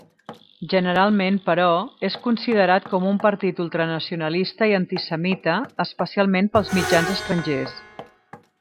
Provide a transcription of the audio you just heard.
Generalment però, és considerat com un partit ultranacionalista i antisemita, especialment pels mitjans estrangers.